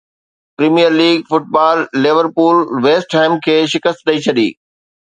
premier league football Liverpool West Ham کي شڪست ڏئي ڇڏي